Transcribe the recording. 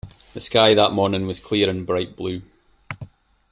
The sky that morning was clear and bright blue.